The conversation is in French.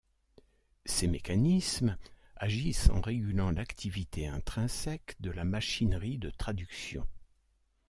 Ces mécanismes agissent en régulant l'activité intrinsèque de la machinerie de traduction.